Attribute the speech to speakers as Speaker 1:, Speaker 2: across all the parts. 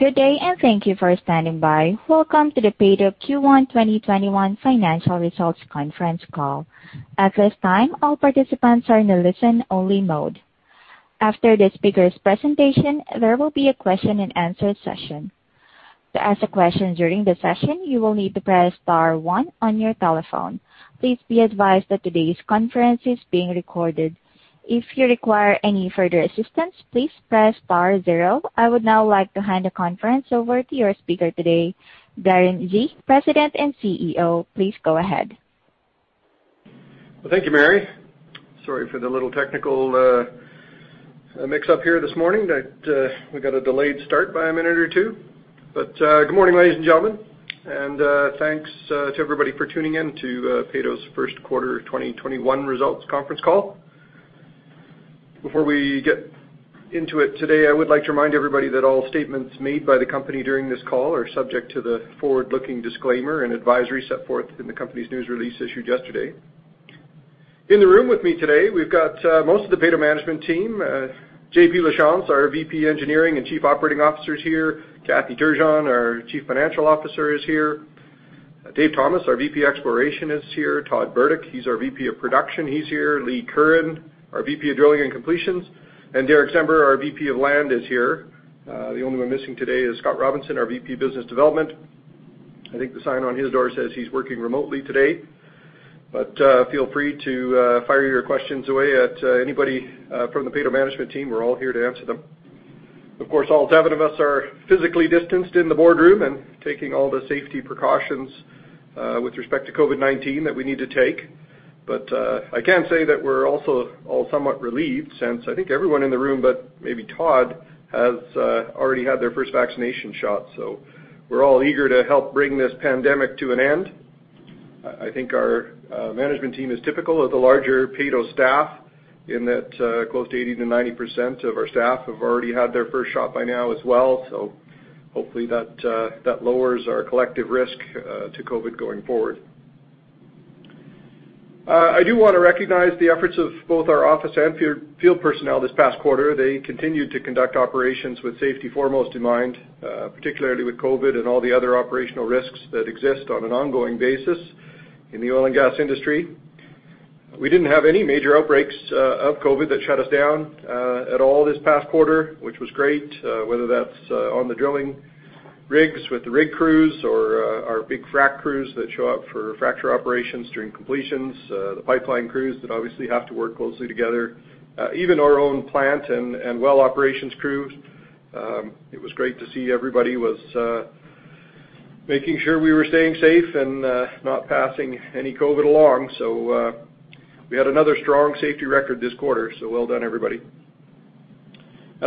Speaker 1: Good day. Thank you for standing by. Welcome to the Peyto Q1 2021 Financial Results Conference Call. At this time, all participants are in a listen-only mode. After the speaker's presentation, there will be a question and answer session. To ask a question during the session, you will need to press star one on your telephone. Please be advised that today's conference is being recorded. If you require any further assistance, please press star zero. I would now like to hand the conference over to your speaker today, Darren Gee, President and CEO. Please go ahead.
Speaker 2: Well, thank you, Mary. Sorry for the little technical mix-up here this morning that we got a delayed start by a minute or two. Good morning, ladies and gentlemen, and thanks to everybody for tuning in to Peyto's First Quarter 2021 Results Conference Call. Before we get into it today, I would like to remind everybody that all statements made by the company during this call are subject to the forward-looking disclaimer and advisory set forth in the company's news release issued yesterday. In the room with me today, we've got most of the Peyto management team. JP Lachance, our VP, Engineering and Chief Operating Officer is here. Kathy Turgeon, our Chief Financial Officer, is here. David Thomas, our VP, Exploration, is here. Todd Burdick, he's our VP of Production, he's here. Lee Curran, our VP of Drilling and Completions, and Derick Czember, our VP of Land, is here. The only one missing today is Scott Robinson, our VP, Business Development. I think the sign on his door says he's working remotely today. Feel free to fire your questions away at anybody from the Peyto management team. We're all here to answer them. Of course, all seven of us are physically distanced in the boardroom and taking all the safety precautions with respect to COVID-19 that we need to take. I can say that we're also all somewhat relieved since I think everyone in the room, but maybe Todd, has already had their first vaccination shot. We're all eager to help bring this pandemic to an end. I think our management team is typical of the larger Peyto staff in that close to 80%-90% of our staff have already had their first shot by now as well. Hopefully that lowers our collective risk to COVID going forward. I do want to recognize the efforts of both our office and field personnel this past quarter. They continued to conduct operations with safety foremost in mind, particularly with COVID and all the other operational risks that exist on an ongoing basis in the oil and gas industry. We didn't have any major outbreaks of COVID that shut us down at all this past quarter, which was great, whether that's on the drilling rigs with the rig crews or our big frack crews that show up for fracture operations during completions, the pipeline crews that obviously have to work closely together. Even our own plant and well operations crews, it was great to see everybody was making sure we were staying safe and not passing any COVID along. We had another strong safety record this quarter, well done, everybody.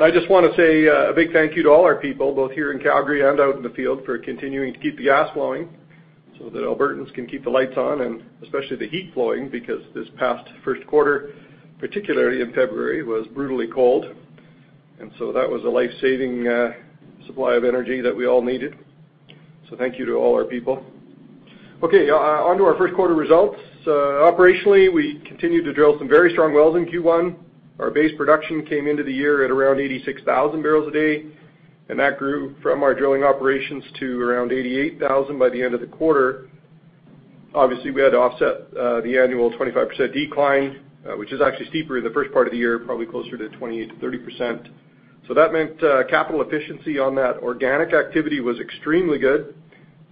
Speaker 2: I just want to say a big thank you to all our people, both here in Calgary and out in the field, for continuing to keep the gas flowing so that Albertans can keep the lights on and especially the heat flowing because this past first quarter, particularly in February, was brutally cold. That was a life-saving supply of energy that we all needed. Thank you to all our people. Okay, on to our first quarter results. Operationally, we continued to drill some very strong wells in Q1. Our base production came into the year at around 86,000 bbl a day, and that grew from our drilling operations to around 88,000 bbl by the end of the quarter. Obviously, we had to offset the annual 25% decline, which is actually steeper in the first part of the year, probably closer to 28%-30%. That meant capital efficiency on that organic activity was extremely good.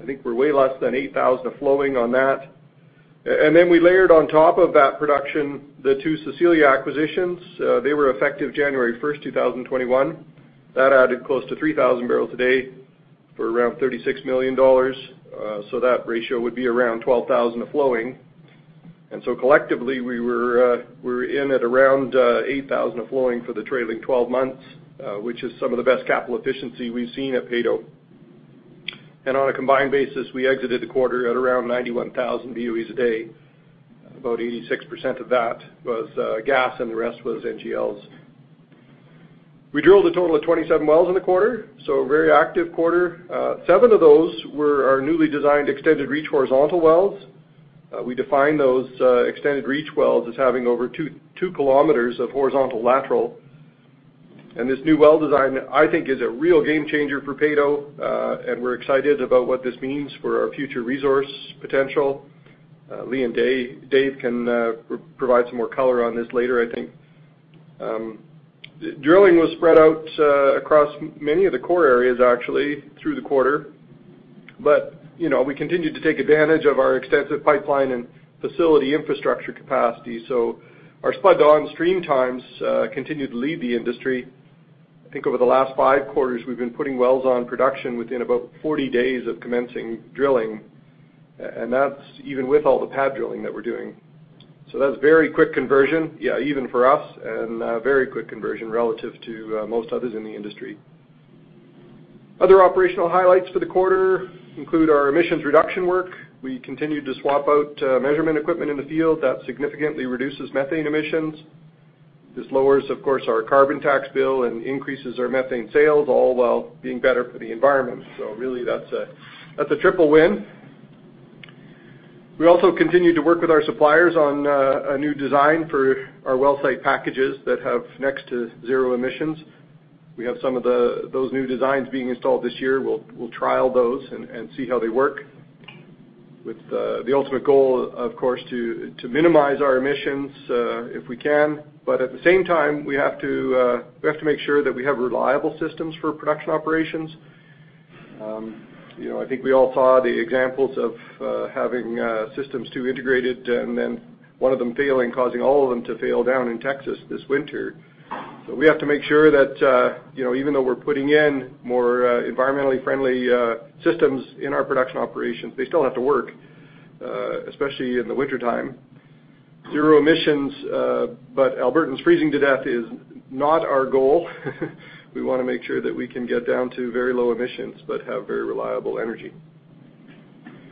Speaker 2: I think we're way less than 8,000 of flowing on that. We layered on top of that production the two Cecilia acquisitions. They were effective January 1st, 2021. That added close to 3,000 bbl a day for around 36 million dollars. That ratio would be around 12,000 of flowing. Collectively, we were in at around 8,000 of flowing for the trailing 12 months, which is some of the best capital efficiency we've seen at Peyto. On a combined basis, we exited the quarter at around 91,000 BOEs a day. About 86% of that was gas, and the rest was NGLs. We drilled a total of 27 wells in the quarter, so a very active quarter. Seven of those were our newly designed extended reach horizontal wells. We define those extended reach wells as having over 2 km of horizontal lateral. This new well design, I think is a real game changer for Peyto, and we're excited about what this means for our future resource potential. Lee and Dave can provide some more color on this later, I think. Drilling was spread out across many of the core areas actually through the quarter, but we continued to take advantage of our extensive pipeline and facility infrastructure capacity. Our spud-to-on-stream times continued to lead the industry. I think over the last five quarters, we've been putting wells on production within about 40 days of commencing drilling, and that's even with all the pad drilling that we're doing. That's very quick conversion, yeah, even for us, and very quick conversion relative to most others in the industry. Other operational highlights for the quarter include our emissions reduction work. We continued to swap out measurement equipment in the field that significantly reduces methane emissions. This lowers, of course, our carbon tax bill and increases our methane sales, all while being better for the environment. Really that's a triple win. We also continue to work with our suppliers on a new design for our well site packages that have next to zero emissions. We have some of those new designs being installed this year. We'll trial those and see how they work with the ultimate goal, of course, to minimize our emissions, if we can. At the same time, we have to make sure that we have reliable systems for production operations. I think we all saw the examples of having systems too integrated and then one of them failing, causing all of them to fail down in Texas this winter. We have to make sure that, even though we're putting in more environmentally friendly systems in our production operations, they still have to work, especially in the wintertime. Zero emissions, but Albertans freezing to death is not our goal. We want to make sure that we can get down to very low emissions, but have very reliable energy.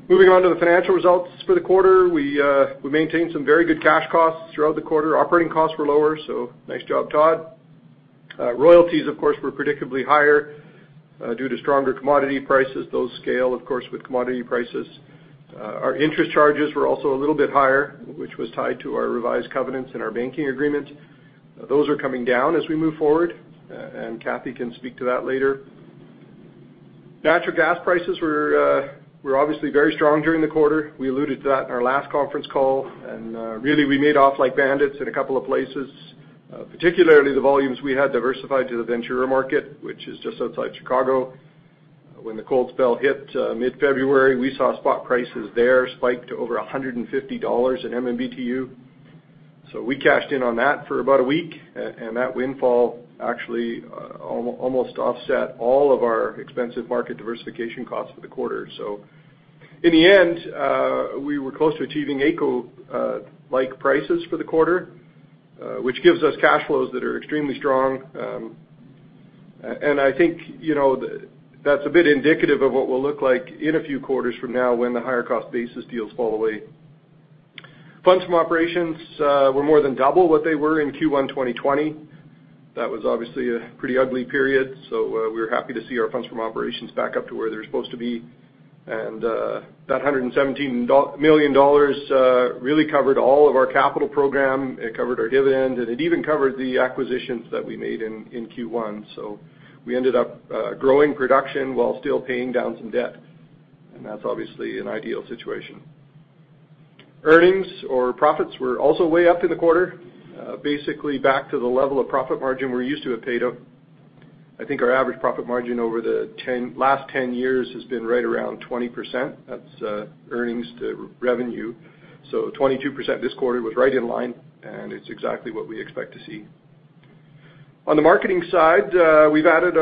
Speaker 2: Moving on to the financial results for the quarter. We maintained some very good cash costs throughout the quarter. Operating costs were lower, nice job, Todd. Royalties, of course, were predictably higher due to stronger commodity prices. Those scale, of course, with commodity prices. Our interest charges were also a little bit higher, which was tied to our revised covenants and our banking agreements. Those are coming down as we move forward, and Kathy can speak to that later. Natural gas prices were obviously very strong during the quarter. We alluded to that in our last conference call, and really, we made off like bandits in a couple of places, particularly the volumes we had diversified to the Ventura market, which is just outside Chicago. When the cold spell hit mid-February, we saw spot prices there spike to over 150 dollars in MMBtu. We cashed in on that for about one week, and that windfall actually almost offset all of our expensive market diversification costs for the quarter. In the end, we were close to achieving AECO-like prices for the quarter, which gives us cash flows that are extremely strong. I think that's a bit indicative of what we'll look like in a few quarters from now when the higher cost basis deals fall away. Funds from operations were more than double what they were in Q1 2020. That was obviously a pretty ugly period, we're happy to see our funds from operations back up to where they're supposed to be. That 117 million dollars really covered all of our capital program. It covered our dividend, it even covered the acquisitions that we made in Q1. We ended up growing production while still paying down some debt, that's obviously an ideal situation. Earnings or profits were also way up in the quarter. Basically, back to the level of profit margin we're used to at Peyto. I think our average profit margin over the last 10 years has been right around 20%. That's earnings to revenue. 22% this quarter was right in line, and it's exactly what we expect to see. On the marketing side, we've added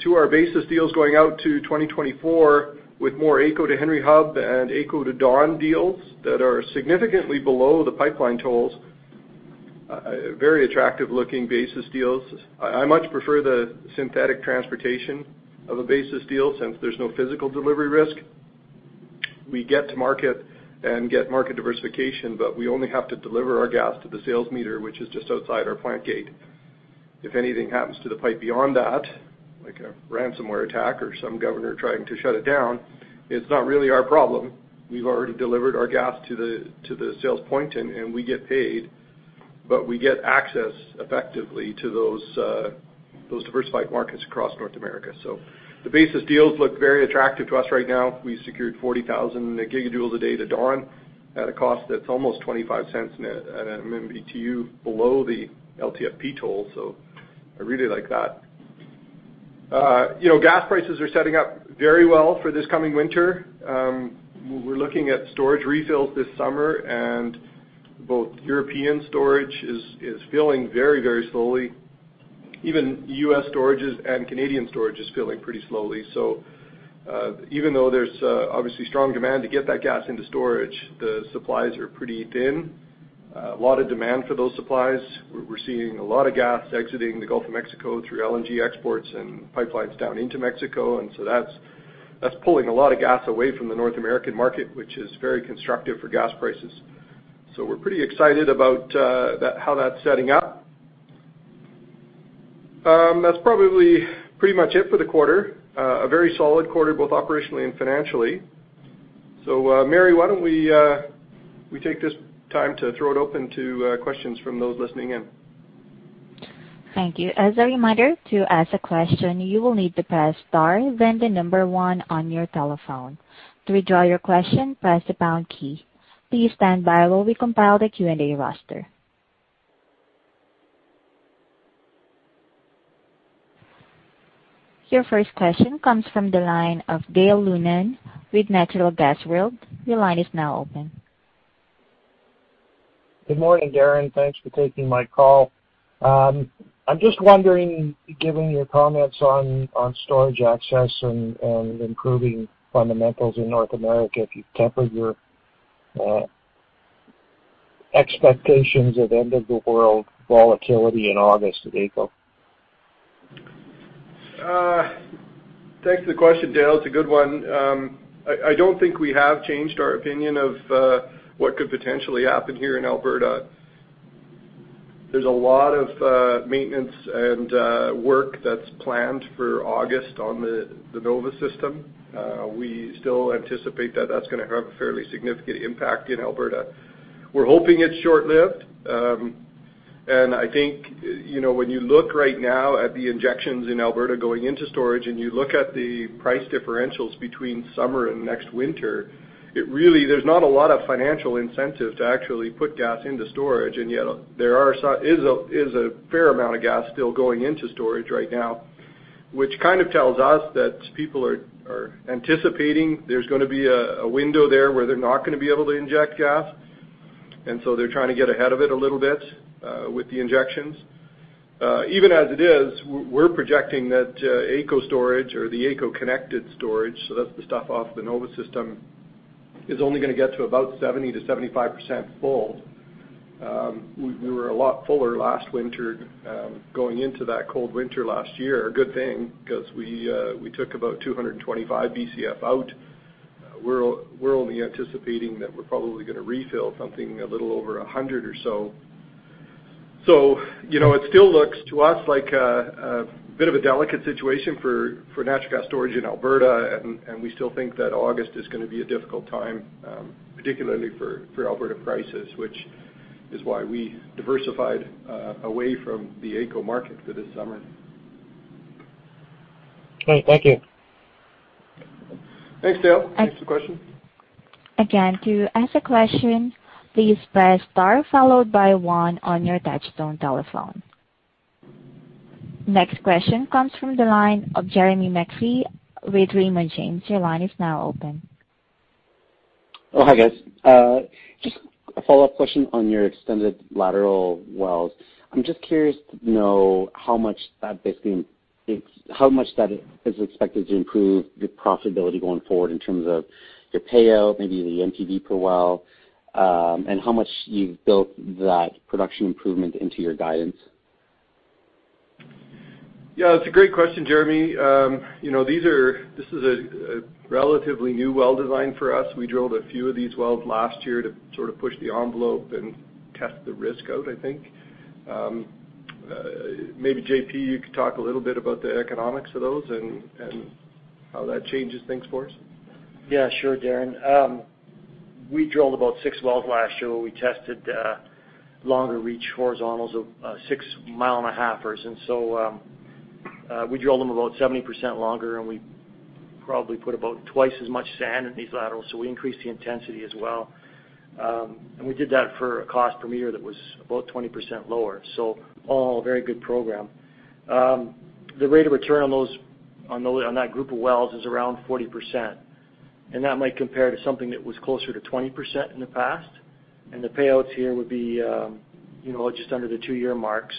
Speaker 2: to our basis deals going out to 2024 with more AECO to Henry Hub and AECO to Dawn deals that are significantly below the pipeline tolls. Very attractive-looking basis deals. I much prefer the synthetic transportation of a basis deal since there's no physical delivery risk. We get to market and get market diversification, but we only have to deliver our gas to the sales meter, which is just outside our plant gate. If anything happens to the pipe beyond that, like a ransomware attack or some governor trying to shut it down, it's not really our problem. We've already delivered our gas to the sales point, and we get paid, but we get access effectively to those diversified markets across North America. The basis deals look very attractive to us right now. We secured 40,000 gigajoules a day to Dawn at a cost that's almost 0.25 at an MMBtu below the LTFP toll. I really like that. Gas prices are setting up very well for this coming winter. We're looking at storage refills this summer. Both European storage is filling very, very slowly. Even U.S. storages and Canadian storage is filling pretty slowly. Even though there's obviously strong demand to get that gas into storage, the supplies are pretty thin. A lot of demand for those supplies. We're seeing a lot of gas exiting the Gulf of Mexico through LNG exports and pipelines down into Mexico. That's pulling a lot of gas away from the North American market, which is very constructive for gas prices. We're pretty excited about how that's setting up. That's probably pretty much it for the quarter. A very solid quarter, both operationally and financially. Mary, why don't we take this time to throw it open to questions from those listening in.
Speaker 1: Thank you. As a reminder, to ask a question, you will need to press star, then the number one on your telephone. To withdraw your question, press the pound key. Please stand by while we compile the Q and A roster. Your first question comes from the line of Dale Lunan with Natural Gas World. Your line is now open.
Speaker 3: Good morning, Darren. Thanks for taking my call. I'm just wondering, given your comments on storage access and improving fundamentals in North America, if you've tempered your expectations of end-of-the-world volatility in August AECO?
Speaker 2: Thanks for the question, Dale. It's a good one. I don't think we have changed our opinion of what could potentially happen here in Alberta. There's a lot of maintenance and work that's planned for August on the NOVA system. We still anticipate that that's going to have a fairly significant impact in Alberta. We're hoping it's short-lived. I think, when you look right now at the injections in Alberta going into storage, and you look at the price differentials between summer and next winter, there's not a lot of financial incentive to actually put gas into storage. Yet there is a fair amount of gas still going into storage right now, which tells us that people are anticipating there's going to be a window there where they're not going to be able to inject gas. They're trying to get ahead of it a little bit with the injections. Even as it is, we're projecting that AECO storage or the AECO connected storage, so that's the stuff off the NOVA system, is only going to get to about 70%-75% full. We were a lot fuller last winter, going into that cold winter last year. A good thing, because we took about 225 Bcf out. We're only anticipating that we're probably going to refill something a little over 100 or so. It still looks, to us, like a bit of a delicate situation for natural gas storage in Alberta, and we still think that August is going to be a difficult time, particularly for Alberta prices, which is why we diversified away from the AECO market for this summer.
Speaker 3: Great. Thank you.
Speaker 2: Thanks, Dale. Thanks for the question.
Speaker 1: Again, to ask a question, please press star followed by one on your touchtone telephone. Next question comes from the line of Jeremy McCrea with Raymond James. Your line is now open.
Speaker 4: Hi guys. Just a follow-up question on your extended lateral wells. I'm just curious to know how much that is expected to improve the profitability going forward in terms of your payout, maybe the NPV per well, and how much you've built that production improvement into your guidance.
Speaker 2: Yeah, it's a great question, Jeremy. This is a relatively new well design for us. We drilled a few of these wells last year to sort of push the envelope and test the risk out, I think. Maybe JP., you could talk a little bit about the economics of those and how that changes things for us.
Speaker 5: Yeah, sure, Darren. We drilled about six wells last year where we tested longer reach horizontals of six mile and a halfers. We drilled them about 70% longer, and we probably put about twice as much sand in these laterals, so we increased the intensity as well. We did that for a cost per meter that was about 20% lower. All in all, a very good program. The rate of return on that group of wells is around 40%, and that might compare to something that was closer to 20% in the past, and the payouts here would be just under the two year mark.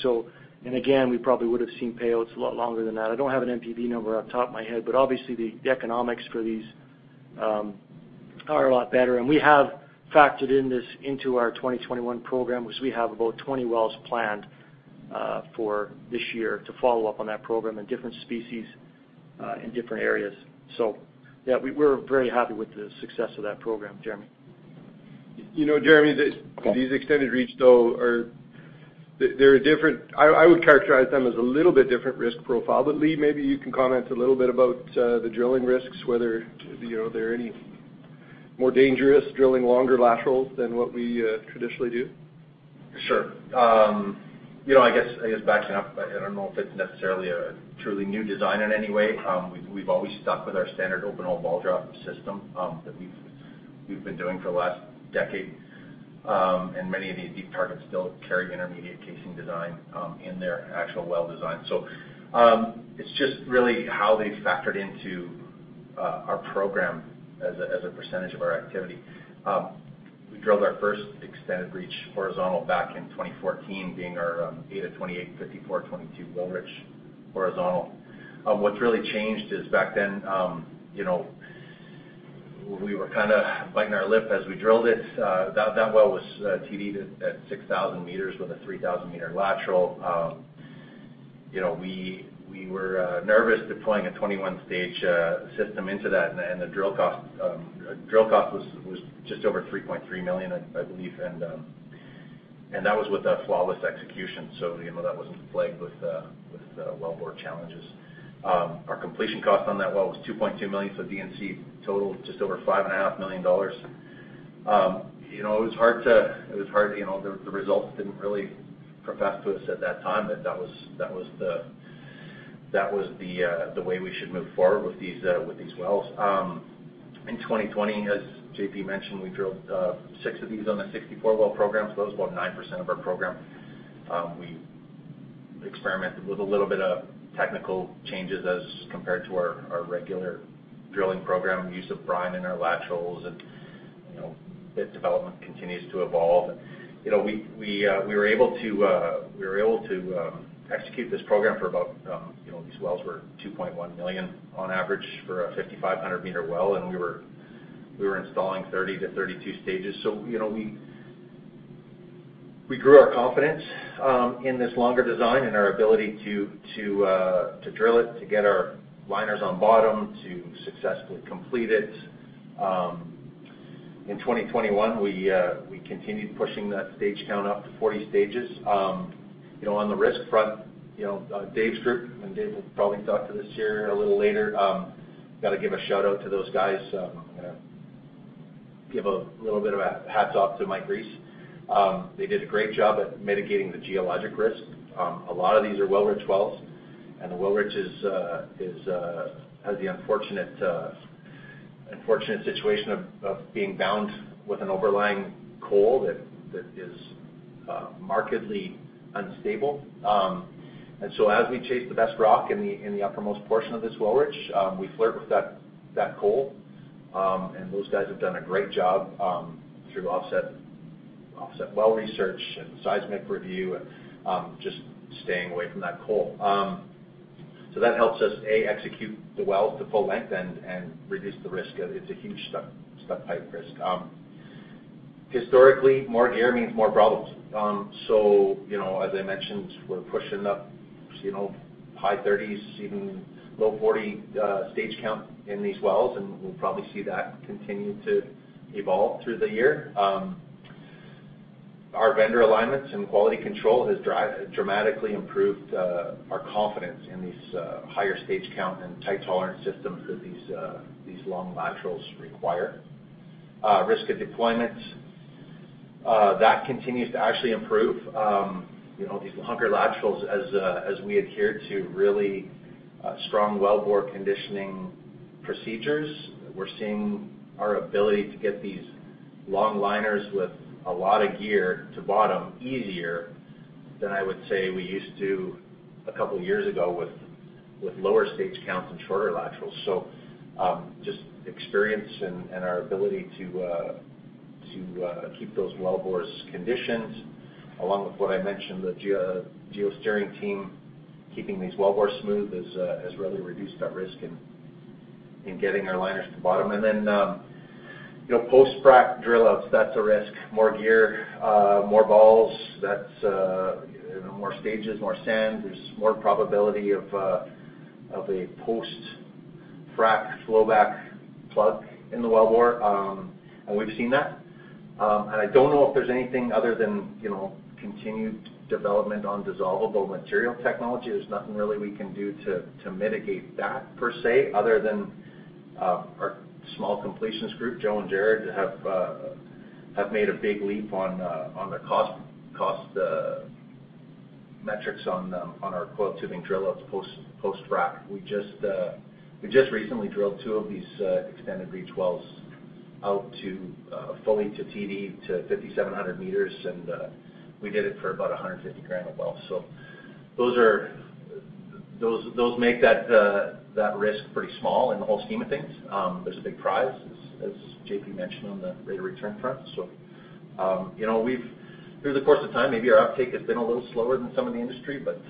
Speaker 5: Again, we probably would've seen payouts a lot longer than that. I don't have an NPV number off the top of my head, but obviously the economics for these are a lot better. We have factored in this into our 2021 program, which we have about 20 wells planned for this year to follow up on that program in different species, in different areas. Yeah, we are very happy with the success of that program, Jeremy.
Speaker 2: Jeremy, these extended reach though I would characterize them as a little bit different risk profile. Lee, maybe you can comment a little bit about the drilling risks, whether they're any more dangerous drilling longer laterals than what we traditionally do.
Speaker 6: Sure. I guess backing up, I don't know if it's necessarily a truly new design in any way. We've always stuck with our standard open hole ball drop system that we've been doing for the last decade. Many of these deep targets still carry intermediate casing design in their actual well design. It's just really how they factored into our program as a percentage of our activity. We drilled our first extended reach horizontal back in 2014, being our 8-28-54-22 Wilrich horizontal. What's really changed is back then we were kind of biting our lip as we drilled it. That well was TD'd at 6,000 meters with a 3,000-meter lateral. We were nervous deploying a 21-stage system into that, and the drill cost was just over 3.3 million, I believe. That was with a flawless execution, so that wasn't plagued with well bore challenges. Our completion cost on that well was 2.2 million. D&C total was just over 5.5 million dollars. The results didn't really profess to us at that time that was the way we should move forward with these wells. In 2020, as JP mentioned, we drilled six of these on the 64-well program. That was about 9% of our program. We experimented with a little bit of technical changes as compared to our regular drilling program, use of brine in our laterals, and bit development continues to evolve. These wells were 2.1 million on average for a 5,500-meter well, and we were installing 30-32 stages. We grew our confidence in this longer design and our ability to drill it, to get our liners on bottom, to successfully complete it. In 2021, we continued pushing that stage count up to 40 stages. On the risk front, Dave's group, and Dave will probably talk to this here a little later, got to give a shout-out to those guys. Give a little bit of a hats off to Mike Rees. They did a great job at mitigating the geologic risk. A lot of these are Wilrich wells. The Wilrich has the unfortunate situation of being bound with an overlying coal that is markedly unstable. As we chase the best rock in the uppermost portion of this Wilrich, we flirt with that coal. Those guys have done a great job through offset well research and seismic review and just staying away from that coal. That helps us, A., execute the well to full length and reduce the risk. It's a huge step height risk. Historically, more gear means more problems. As I mentioned, we're pushing up high 30s, even low 40 stage count in these wells, and we'll probably see that continue to evolve through the year. Our vendor alignments and quality control has dramatically improved our confidence in these higher stage count and tight tolerance systems that these long laterals require. Risk of deployment, that continues to actually improve these longer laterals as we adhere to really strong wellbore conditioning procedures. We're seeing our ability to get these long liners with a lot of gear to bottom easier than I would say we used to a couple of years ago with lower stage counts and shorter laterals. Just experience and our ability to keep those well bores conditioned, along with what I mentioned, the geosteering team, keeping these well bores smooth has really reduced that risk in getting our liners to bottom. Post-frac drill outs, that's a risk. More gear, more balls, that's more stages, more sand. There's more probability of a post-frac flowback plug in the well bore. We've seen that. I don't know if there's anything other than continued development on dissolvable material technology. There's nothing really we can do to mitigate that per [se], other than our small completions group, Joe and Jared, have made a big leap on the cost metrics on our coiled tubing drill ups post-frac. We just recently drilled two of these extended reach wells fully to TD to 5,700 meters, and we did it for about 150,000 a well. Those make that risk pretty small in the whole scheme of things. There's a big prize, as JP mentioned, on the rate of return front. Through the course of time, maybe our uptake has been a little slower than some in the industry, but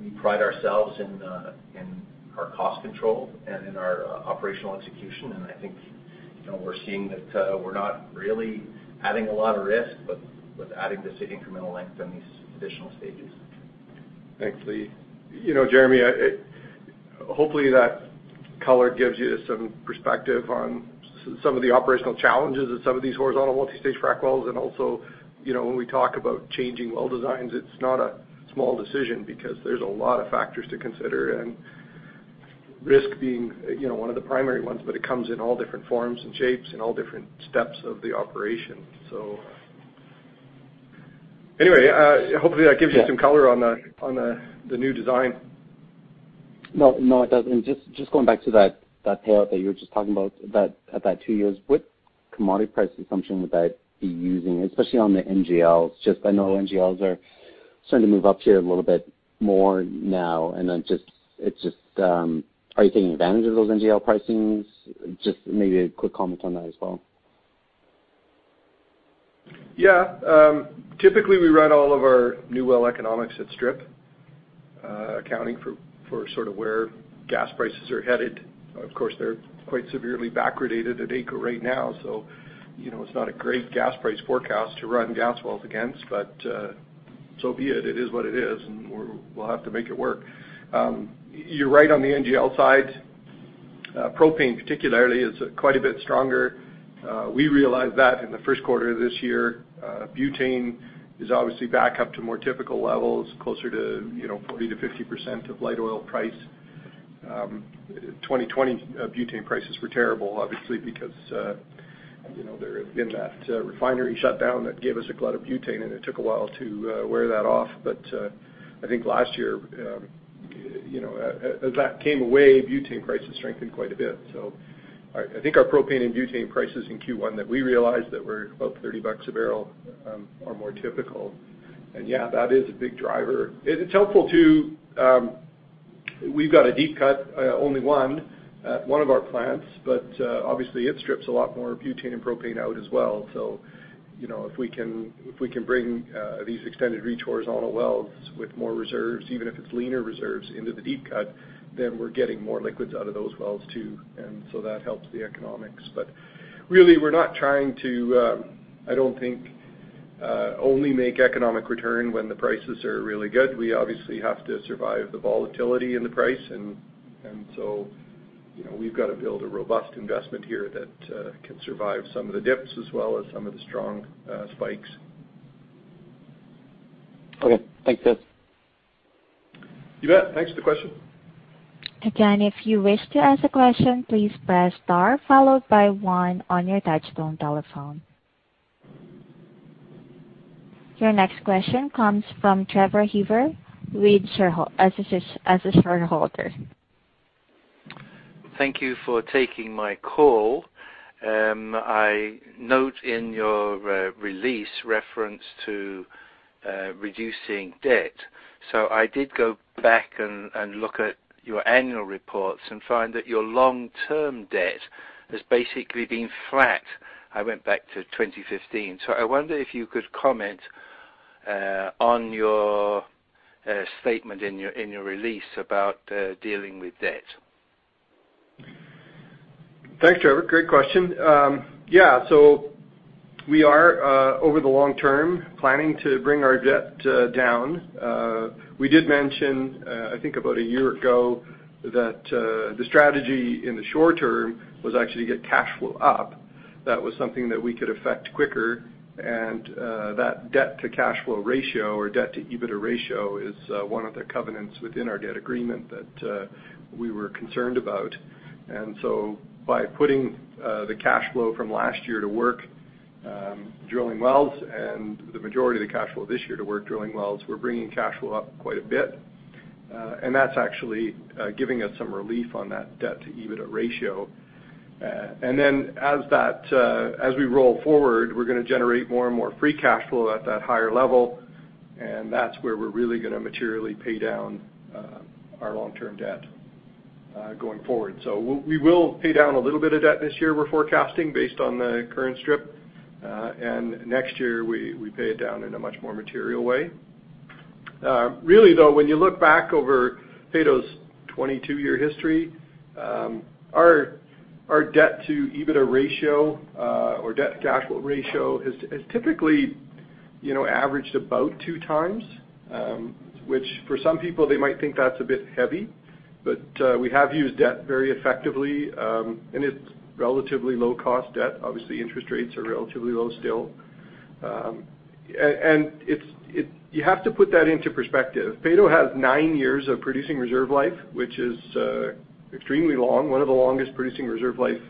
Speaker 6: we pride ourselves in our cost control and in our operational execution, and I think we're seeing that we're not really adding a lot of risk with adding this incremental length and these additional stages.
Speaker 2: Thanks, Lee. Jeremy, hopefully that color gives you some perspective on some of the operational challenges of some of these horizontal multi-stage frac-wells. Also, when we talk about changing well designs, it's not a small decision because there's a lot of factors to consider, and risk being one of the primary ones, but it comes in all different forms and shapes and all different steps of the operation. Anyway, hopefully that gives you some color on the new design.
Speaker 4: No, it does. Just going back to that payout that you were just talking about two years, what commodity price assumption would that be using, especially on the NGLs? Just I know NGLs are starting to move up here a little bit more now, and then it's just, are you taking advantage of those NGL pricings? Just maybe a quick comment on that as well.
Speaker 2: Yeah. Typically, we run all of our new well economics at strip, accounting for sort of where gas prices are headed. Of course, they're quite severely backwardated at AECO right now, so it's not a great gas price forecast to run gas wells against, but so be it. It is what it is, and we'll have to make it work. You're right on the NGL side. Propane particularly is quite a bit stronger. We realized that in the first quarter of this year. Butane is obviously back up to more typical levels, closer to 40%-50% of light oil price. 2020 butane prices were terrible, obviously, because there had been that refinery shutdown that gave us a glut of butane, and it took a while to wear that off. I think last year, as that came away, butane prices strengthened quite a bit. I think our propane and butane prices in Q1 that we realized that were about 30 bucks a barrel are more typical. Yeah, that is a big driver. We've got a deep cut, only one at one of our plants, but obviously it strips a lot more butane and propane out as well. If we can bring these extended reach horizontal wells with more reserves, even if it's leaner reserves into the deep cut, then we're getting more liquids out of those wells too, that helps the economics. Really, we're not trying to, I don't think. Only make economic return when the prices are really good. We obviously have to survive the volatility in the price. We've got to build a robust investment here that can survive some of the dips as well as some of the strong spikes.
Speaker 4: Okay. Thanks, guys.
Speaker 2: You bet. Thanks for the question.
Speaker 1: Again, if you wish to ask your question, please press star followed by one on your touchtone telephone. Your next question comes from Trevor Hiver as a shareholder.
Speaker 7: Thank you for taking my call. I note in your release reference to reducing debt. I did go back and look at your annual reports and find that your long-term debt has basically been flat. I went back to 2015. I wonder if you could comment on your statement in your release about dealing with debt.
Speaker 2: Thanks, Trevor. Great question. Yeah, we are over the long-term planning to bring our debt down. We did mention, I think about a year ago, that the strategy in the short-term was actually to get cash flow up. That was something that we could affect quicker. That debt to cash flow ratio or debt to EBITDA ratio is one of the covenants within our debt agreement that we were concerned about. By putting the cash flow from last year to work drilling wells and the majority of the cash flow this year to work drilling wells, we're bringing cash flow up quite a bit. That's actually giving us some relief on that debt to EBITDA ratio. Then as we roll forward, we're going to generate more and more free cash flow at that higher level, and that's where we're really going to materially pay down our long-term debt going forward. We will pay down a little bit of debt this year we're forecasting based on the current strip. Next year, we pay it down in a much more material way. Really, though, when you look back over Peyto's 22 year history, our debt to EBITDA ratio or debt to cash flow ratio has typically averaged about 2x, which for some people, they might think that's a bit heavy, but we have used debt very effectively, and it's relatively low-cost debt. Obviously, interest rates are relatively low still. You have to put that into perspective. Peyto has nine years of producing reserve life, which is extremely long, one of the longest producing reserve life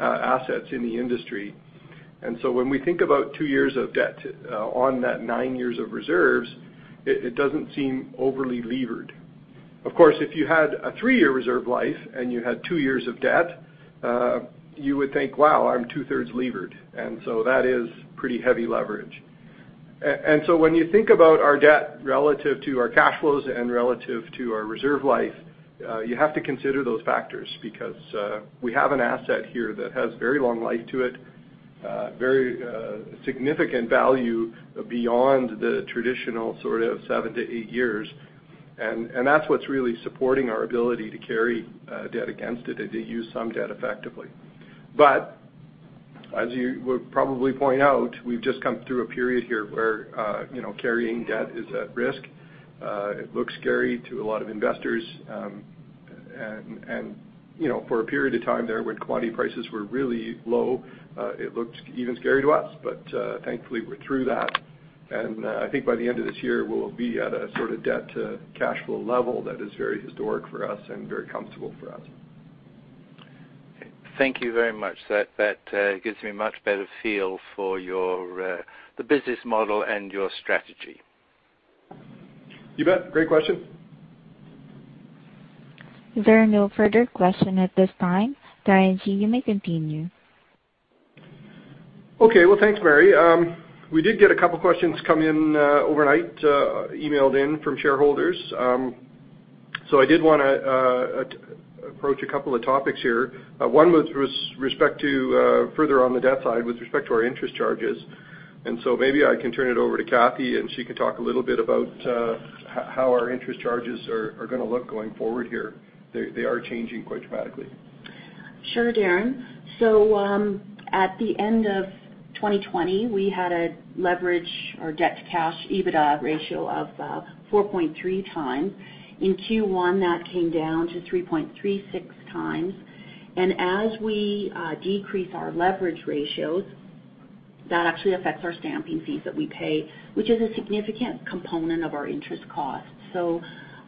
Speaker 2: assets in the industry. When we think about two years of debt on that nine years of reserves, it doesn't seem overly levered. Of course, if you had a three year reserve life and you had two years of debt, you would think, "Wow, I'm two-thirds levered." That is pretty heavy leverage. When you think about our debt relative to our cash flows and relative to our reserve life, you have to consider those factors because we have an asset here that has very long life to it, very significant value beyond the traditional sort of seven to eight years. That's what's really supporting our ability to carry debt against it and to use some debt effectively. As you would probably point out, we've just come through a period here where carrying debt is at risk. It looks scary to a lot of investors. For a period of time there when commodity prices were really low, it looked even scary to us. Thankfully, we're through that. I think by the end of this year, we'll be at a sort of debt to cash flow level that is very historic for us and very comfortable for us.
Speaker 7: Thank you very much. That gives me a much better feel for the business model and your strategy.
Speaker 2: You bet. Great question.
Speaker 1: There are no further questions at this time. Darren, you may continue.
Speaker 2: Okay. Well, thanks, Mary. We did get a couple of questions come in overnight, emailed in from shareholders. I did want to approach a couple of topics here. One was with respect to further on the debt side with respect to our interest charges. Maybe I can turn it over to Kathy, and she can talk a little bit about how our interest charges are going to look going forward here. They are changing quite dramatically.
Speaker 8: Sure, Darren. At the end of 2020, we had a leverage or debt to cash EBITDA ratio of 4.3x. In Q1, that came down to 3.36x. As we decrease our leverage ratios, that actually affects our stamping fees that we pay, which is a significant component of our interest cost.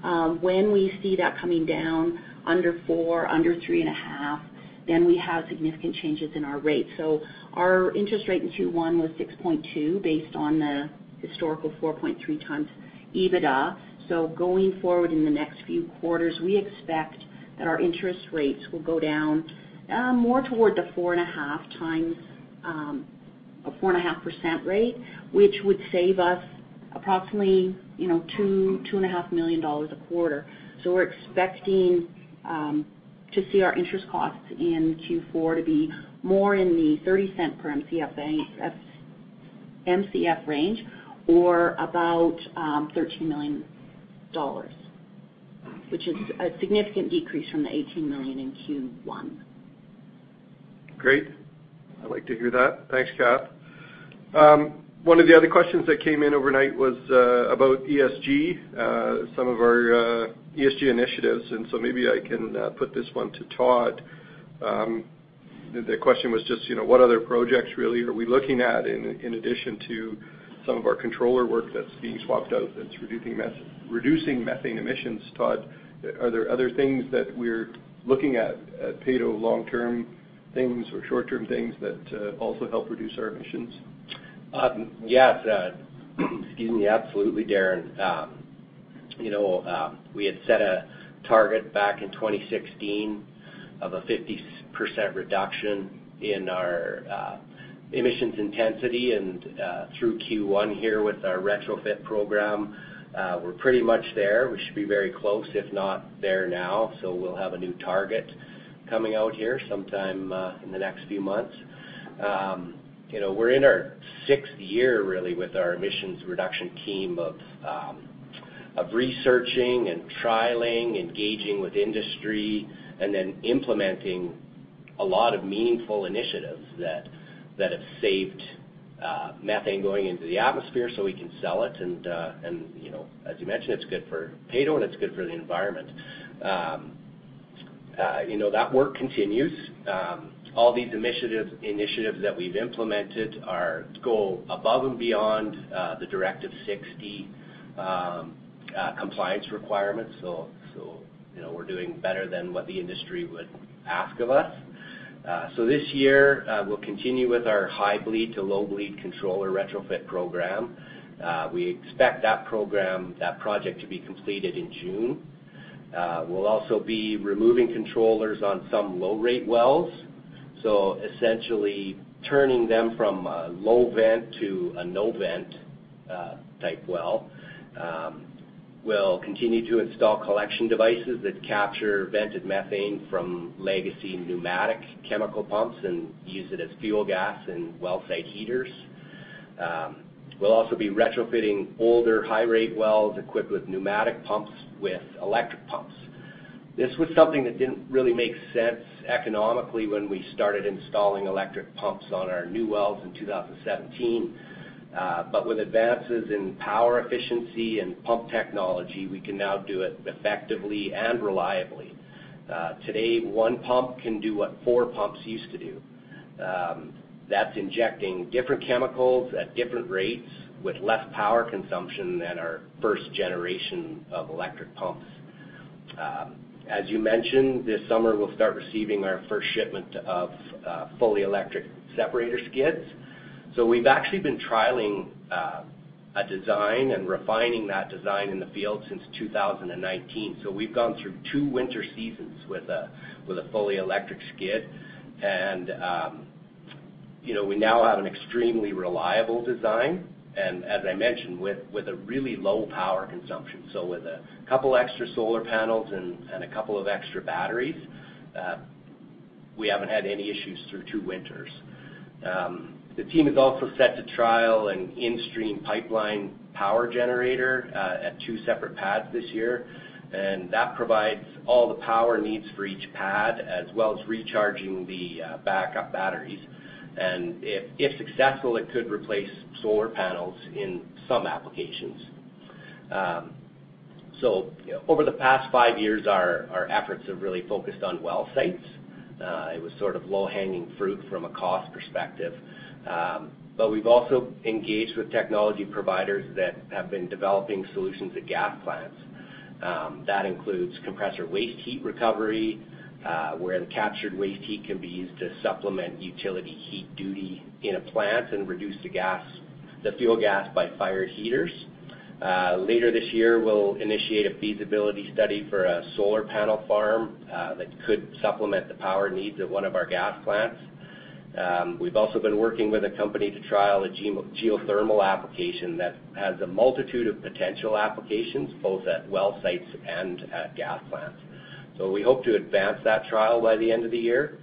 Speaker 8: When we see that coming down under four, under three and a half, we have significant changes in our rate. Our interest rate in Q1 was 6.2 based on the historical 4.3x EBITDA. Going forward in the next few quarters, we expect that our interest rates will go down more toward the four and a half times, a 4.5% rate, which would save us approximately 2.5 million dollars A quarter. We're expecting to see our interest costs in Q4 to be more in the 0.30 per MCF range, or about 13 million dollars, which is a significant decrease from the 18 million in Q1.
Speaker 2: Great. I like to hear that. Thanks, Kath. One of the other questions that came in overnight was about ESG, some of our ESG initiatives, and so maybe I can put this one to Todd. The question was just what other projects really are we looking at in addition to some of our controller work that's being swapped out that's reducing methane emissions, Todd? Are there other things that we're looking at Peyto long-term things or short-term things that also help reduce our emissions?
Speaker 9: Yes, excuse me, absolutely, Darren. We had set a target back in 2016 of a 50% reduction in our emissions intensity, and through Q1 here with our retrofit program, we're pretty much there. We should be very close, if not there now. We'll have a new target coming out here sometime in the next few months. We're in our sixth year, really, with our emissions reduction team of researching and trialing, engaging with industry, and then implementing a lot of meaningful initiatives that have saved methane going into the atmosphere so we can sell it and, as you mentioned, it's good for Peyto and it's good for the environment. That work continues. All these initiatives that we've implemented go above and beyond the Directive 60 compliance requirements. We're doing better than what the industry would ask of us. This year, we'll continue with our high bleed to low bleed controller retrofit program. We expect that project to be completed in June. We'll also be removing controllers on some low rate wells, so essentially turning them from a low vent to a no vent type well. We'll continue to install collection devices that capture vented methane from legacy pneumatic chemical pumps and use it as fuel gas in well site heaters. We'll also be retrofitting older high rate wells equipped with pneumatic pumps with electric pumps. This was something that didn't really make sense economically when we started installing electric pumps on our new wells in 2017. With advances in power efficiency and pump technology, we can now do it effectively and reliably. Today, one pump can do what four pumps used to do. That's injecting different chemicals at different rates with less power consumption than our first generation of electric pumps. As you mentioned, this summer we'll start receiving our first shipment of fully electric separator skids. We've actually been trialing a design and refining that design in the field since 2019. We've gone through two winter seasons with a fully electric skid, and we now have an extremely reliable design and as I mentioned, with a really low power consumption. With a couple of extra solar panels and a couple of extra batteries, we haven't had any issues through two winters. The team is also set to trial an in-stream pipeline power generator at two separate pads this year, and that provides all the power needs for each pad, as well as recharging the backup batteries. If successful, it could replace solar panels in some applications. Over the past five years, our efforts have really focused on well sites. It was sort of low-hanging fruit from a cost perspective. We've also engaged with technology providers that have been developing solutions at gas plants. That includes compressor waste heat recovery, where the captured waste heat can be used to supplement utility heat duty in a plant and reduce the fuel gas by fire heaters. Later this year, we'll initiate a feasibility study for a solar panel farm that could supplement the power needs at one of our gas plants. We've also been working with a company to trial a geothermal application that has a multitude of potential applications, both at well sites and at gas plants. We hope to advance that trial by the end of the year.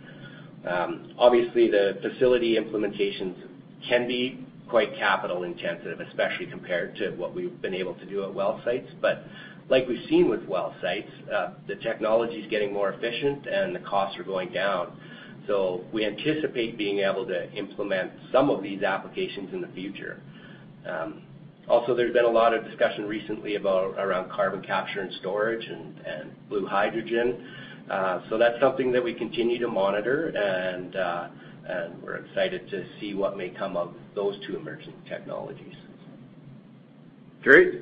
Speaker 9: Obviously, the facility implementations can be quite capital intensive, especially compared to what we've been able to do at well sites. Like we've seen with well sites, the technology's getting more efficient and the costs are going down. We anticipate being able to implement some of these applications in the future. Also, there's been a lot of discussion recently around carbon capture and storage and blue hydrogen. That's something that we continue to monitor and we're excited to see what may come of those two emerging technologies.
Speaker 2: Great.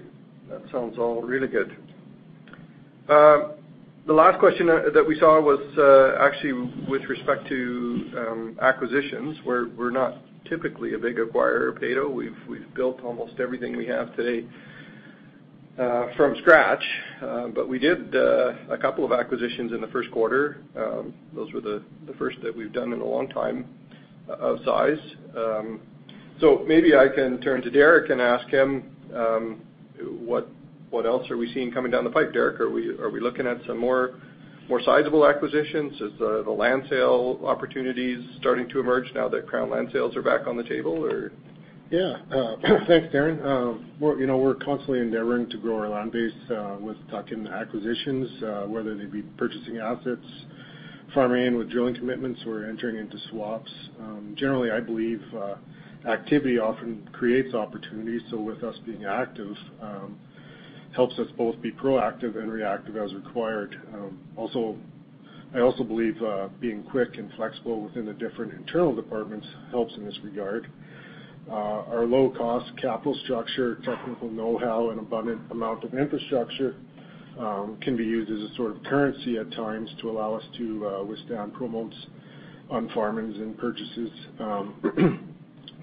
Speaker 2: That sounds all really good. The last question that we saw was actually with respect to acquisitions, where we're not typically a big acquirer at Peyto. We've built almost everything we have today from scratch. We did a couple of acquisitions in the first quarter. Those were the first that we've done in a long time of size. Maybe I can turn to Derick and ask him, what else are we seeing coming down the pipe, Derick? Are we looking at some more sizable acquisitions? Is the land sale opportunities starting to emerge now that crown land sales are back on the table?
Speaker 10: Thanks, Darren. We're constantly endeavoring to grow our land base with tuck-in acquisitions, whether they be purchasing assets, farming in with drilling commitments, or entering into swaps. Generally, I believe activity often creates opportunities. With us being active, helps us both be proactive and reactive as required. I also believe being quick and flexible within the different internal departments helps in this regard. Our low-cost capital structure, technical know-how, and abundant amount of infrastructure can be used as a sort of currency at times to allow us to withstand promotes on farm-ins and purchases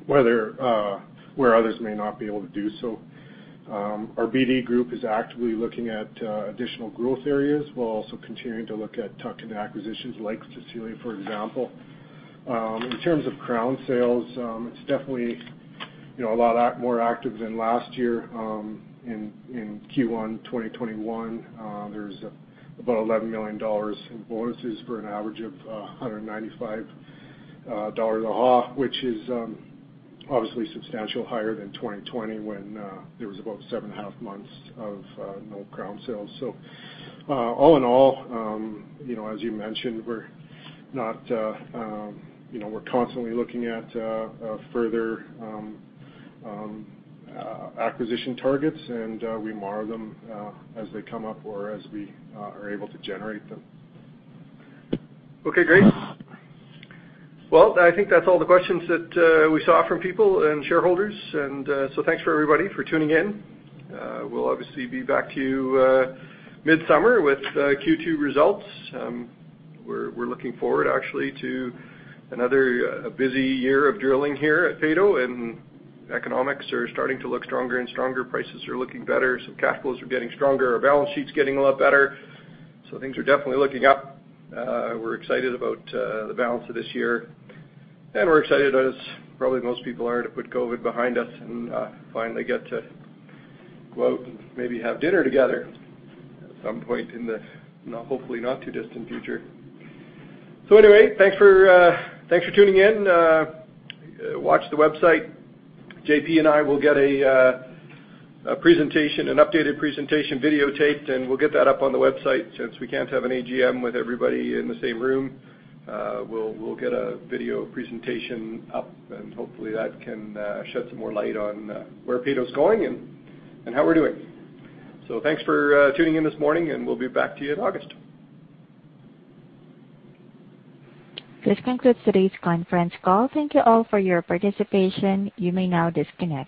Speaker 10: where others may not be able to do so. Our BD group is actively looking at additional growth areas, while also continuing to look at tuck-in acquisitions like Cecilia, for example. In terms of crown sales, it's definitely a lot more active than last year. In Q1 2021, there's about 11 million dollars in bonuses for an average of 195 dollars a [half], which is obviously substantially higher than 2020 when there was about 7.5 months of no crown sales. All in all, as you mentioned, we're constantly looking at further acquisition targets, and we mark them as they come up or as we are able to generate them.
Speaker 2: Okay, great. Well, I think that's all the questions that we saw from people and shareholders. Thanks, everybody, for tuning in. We'll obviously be back to you midsummer with Q2 results. We're looking forward, actually, to another busy year of drilling here at Peyto, economics are starting to look stronger and stronger. Prices are looking better. Some capitals are getting stronger. Our balance sheet's getting a lot better. Things are definitely looking up. We're excited about the balance of this year, we're excited, as probably most people are, to put COVID behind us and finally get to go out and maybe have dinner together at some point in the hopefully not too distant future. Anyway, thanks for tuning in. Watch the website. JP and I will get an updated presentation videotaped, and we'll get that up on the website since we can't have an AGM with everybody in the same room. We'll get a video presentation up, and hopefully that can shed some more light on where Peyto's going and how we're doing. Thanks for tuning in this morning, and we'll be back to you in August.
Speaker 1: This concludes today's conference call. Thank you all for your participation. You may now disconnect.